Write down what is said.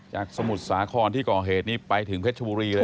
จากสมุดสาขอนที่ก่อเหตุนี้ไปถึงเพชรบุรีเลยนะ